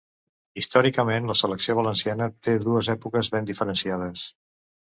Històricament, la selecció valenciana té dues èpoques ben diferenciades.